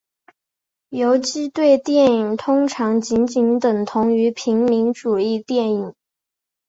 游击队电影通常仅仅等同于平民主义电影。